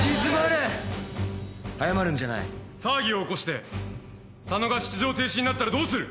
騒ぎを起こして佐野が出場停止になったらどうする。